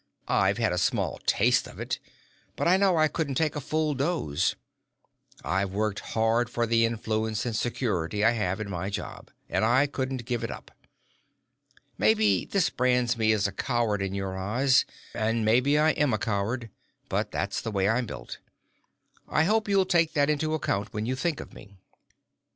I've had a small taste of it, but I know I couldn't take a full dose. I've worked hard for the influence and security I have in my job, and I couldn't give it up. Maybe this brands me as a coward in your eyes, and maybe I am a coward, but that's the way I'm built. I hope you'll take that into account when you think of me.